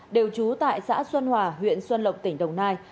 đều trú tại xã xuân hòa huyện xuân lộc tỉnh đồng nai